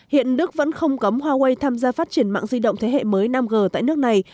hiện đức vẫn không cấm huawei tham gia phát triển mạng di động thế hệ mới năm g tại nước này